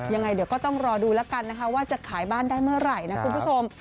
ยังไงเดี๋ยวก็ต้องรอดูแล้วกันนะคะว่าจะขายบ้านได้เมื่อไหร่นะคุณผู้ชม